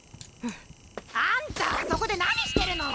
あんたそこで何してるの！